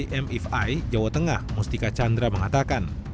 dmfi jawa tengah mustika chandra mengatakan